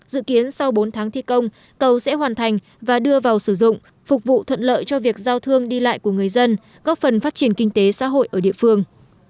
dự kiến sau bốn tháng thi công cầu sẽ hoàn thành và đưa vào sử dụng phục vụ thuận lợi cho việc giao thương đi lại của người dân góp phần phát triển kinh tế xã hội ở địa phương